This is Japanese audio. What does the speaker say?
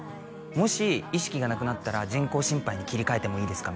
もし意識がなくなったら人工心肺に切り替えてもいいですか？